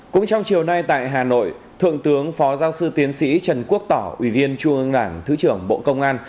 cũng trong chiều nay tại hà nội thượng tướng phó giáo sư tiến sĩ trần quốc tỏ ủy viên trung ương đảng thứ trưởng bộ công an